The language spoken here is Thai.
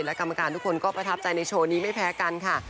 และกรรมการทุกคนก็ประทับใจในโชว์นี้ไม่แพ้กันค่ะ